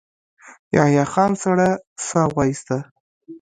يحيی خان سړه سا وايسته.